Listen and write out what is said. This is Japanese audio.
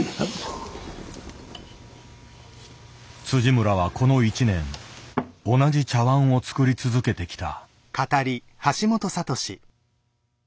村はこの一年同じ茶碗を作り続けてきた。